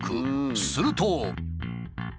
すると。